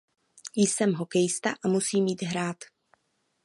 Jsem hokejista a musím jít hrát.